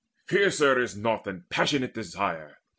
Fiercer is naught than passionate desire!